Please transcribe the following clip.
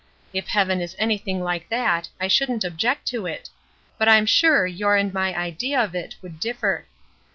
If heaven is anything like that I shouldn't object to it; but I'm sure your and my idea of it would differ.